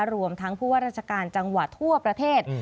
รวมทั้งผู้ว่าราชการจังหวัดทั่วประเทศ